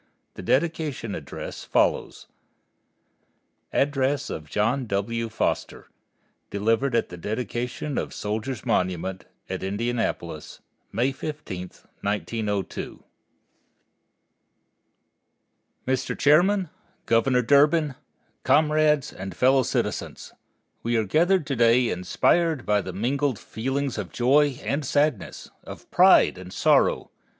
The dedication address follows. ADDRESS OF JOHN W. FOSTER, DELIVERED AT THE DEDICATION OF SOLDIERS' MONUMENT, AT INDIANAPOLIS MAY 15, 1902 Mr. Chairman, Governor Durbin, Comrades and Fellow Citizens: We are gathered to day inspired by mingled feelings of joy and sadness, of pride and sorrow.